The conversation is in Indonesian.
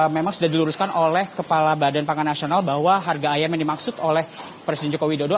memang sudah diluruskan oleh kepala badan pangan nasional bahwa harga ayam yang dimaksud oleh presiden joko widodo